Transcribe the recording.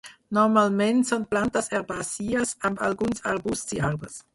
Normalment són plantes herbàcies amb alguns arbusts i arbres.